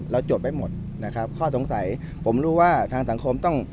จดไว้หมดนะครับข้อสงสัยผมรู้ว่าทางสังคมต้อง